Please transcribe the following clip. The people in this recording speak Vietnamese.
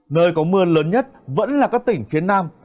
nơi có mưa lớn nhất vẫn là các tỉnh phía nam